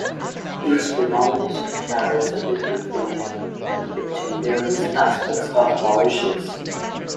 Each denomination carries a different vignette, depicting various aspects of Mauritius.